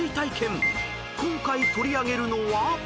［今回取り上げるのは］